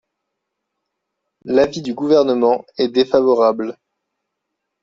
L’avis du Gouvernement est défavorable.